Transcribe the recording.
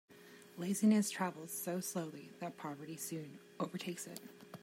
Laziness travels so slowly that poverty soon overtakes it.